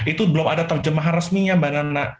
itu belum ada terjemahan resminya b nana